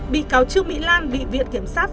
bị cáo trương mỹ lan bị viện kiểm sát